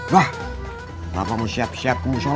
wah bapak mau siap siap mau sholah